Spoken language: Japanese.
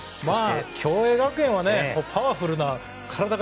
共栄学園はパワフルな。